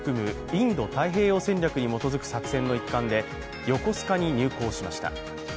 インド太平洋戦略に基づく作戦の一環で横須賀に入港しました。